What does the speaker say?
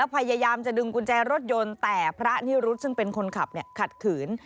พยายามจะดึงกุญแจรถยนต์แต่พระนิรุทธ์ขัดขืน